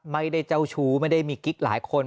เจ้าชู้ไม่ได้มีกิ๊กหลายคน